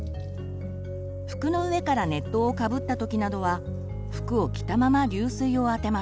服の上から熱湯をかぶったときなどは服を着たまま流水を当てます。